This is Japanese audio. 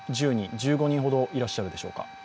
１５人ほどいらっしゃるでしょうか。